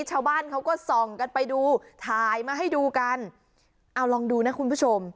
ชาวบ้านเขาก็ส่องกันไปดูถ่ายมาให้ดูกันเอาลองดูนะคุณผู้ชม